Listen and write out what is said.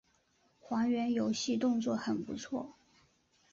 还原游戏动作很不错